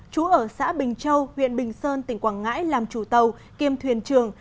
chú ở xã bình châu huyện bình sơn tỉnh quảng ngãi làm chủ tàu kiêm thuyền trường